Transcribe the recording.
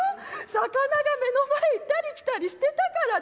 魚が目の前行ったり来たりしてたから。